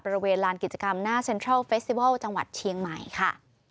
บริเวณลานกิจกรรมหน้าเซ็นทรัลเฟสติวัลจังหวัดเชียงใหม่ค่ะ